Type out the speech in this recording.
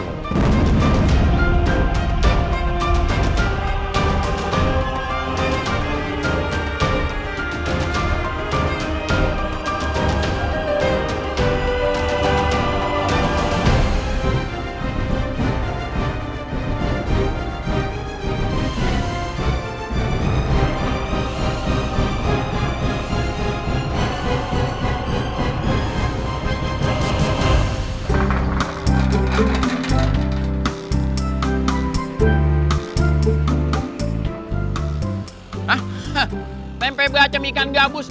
jangan coba coba buat kabur